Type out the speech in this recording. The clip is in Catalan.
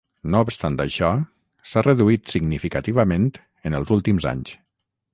No obstant això, s'ha reduït significativament en els últims anys.